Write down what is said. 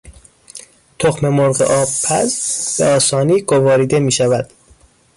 تخممرغ آبپز به آسانی گواریده میشود.